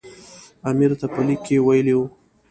امیر ته په لیک کې ویلي وو.